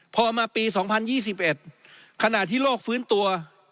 พอมาปี๒๐๒๑ขณะที่โลกฟื้นตัว